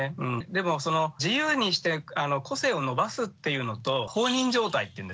でも自由にして個性を伸ばすっていうのと放任状態っていうんですかね